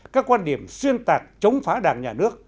các quan điểm xuyên tạc chống phá đảng nhà nước